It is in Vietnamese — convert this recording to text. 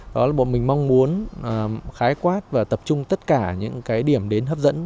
đó là bọn mình mong muốn khái quát và tập trung tất cả những cái điểm đến hấp dẫn